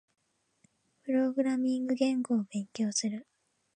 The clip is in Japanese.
プログラミング言語を勉強する。